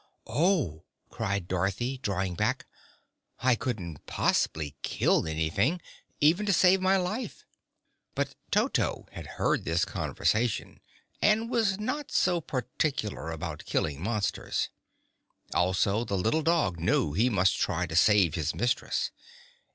"Oh!" cried Dorothy, drawing back; "I couldn't poss'bly kill anything even to save my life." But Toto had heard this conversation and was not so particular about killing monsters. Also the little dog knew he must try to save his mistress.